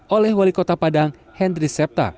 oleh wali kota padang hendry septa